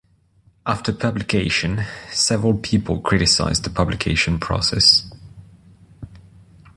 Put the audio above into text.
After publication, several people criticized the publication process.